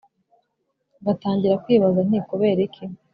ngatangira kwibaza nti kubera iki